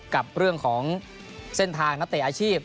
กับเรื่องของเส้นทางนักเตะอาชีพ